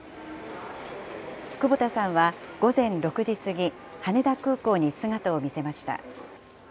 久保田さんは、午前６時過ぎ、羽田空港に姿を見せました。